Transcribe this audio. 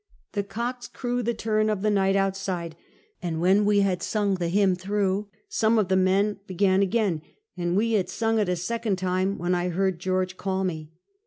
The cocks crew the turn of the night outside, and when we had sung the hymn through, some of the men began again, and we had sung it a second time when I heard George call me.